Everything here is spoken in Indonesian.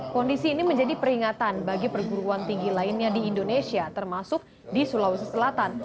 kondisi ini menjadi peringatan bagi perguruan tinggi lainnya di indonesia termasuk di sulawesi selatan